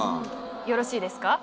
よろしいですか？